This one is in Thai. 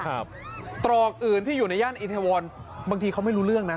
ตรอกอื่นที่อยู่ในย่านอิทวรบางทีเขาไม่รู้เรื่องนะ